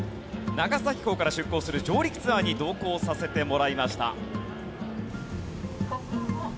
長崎港から出港する上陸ツアーに同行させてもらいました。